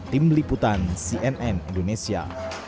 tim liputan cnn indonesia